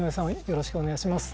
よろしくお願いします。